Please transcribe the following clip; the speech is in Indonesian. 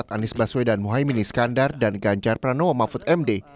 anies baswedan mohaimin iskandar dan ganjar pranowo mahfud md